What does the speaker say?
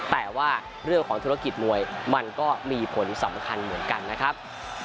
แต่ว่าเรื่องของธุรกิจมวยมันก็มีผลสำคัญเหมือนกันนะครับ